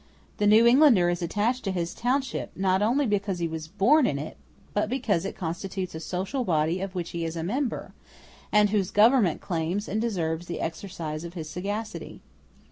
The New Englander is attached to his township, not only because he was born in it, but because it constitutes a social body of which he is a member, and whose government claims and deserves the exercise of his sagacity.